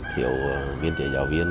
thiếu biên chế giáo viên